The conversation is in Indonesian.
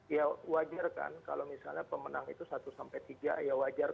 ya wajar kan kalau misalnya pemenang itu satu sampai tiga ya wajar